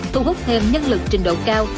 thu hút thêm nhân lực trình độ cao